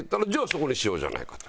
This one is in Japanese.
そこにしようじゃないかと。